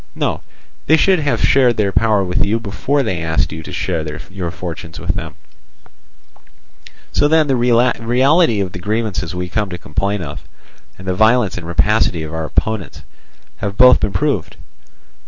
No, they should have shared their power with you before they asked you to share your fortunes with them. "So then the reality of the grievances we come to complain of, and the violence and rapacity of our opponents, have both been proved.